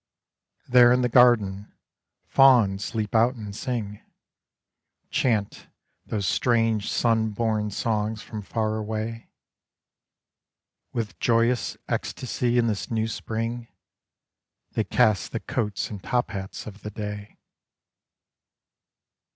There in the garden, fauns leap out and sing — Chant those strange sun born songs from far away ! With joyous ecstasy in this new spring, They cast the coats and top hats of the day.